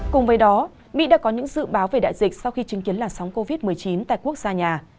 cùng với đó mỹ đã có những dự báo về đại dịch sau khi chứng kiến làn sóng covid một mươi chín tại quốc gia nhà